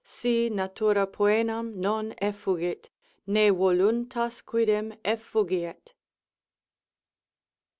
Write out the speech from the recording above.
Si natura poenam non effugit, ne voluntas quidem effugiet.